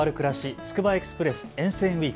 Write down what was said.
つくばエクスプレス沿線ウイーク。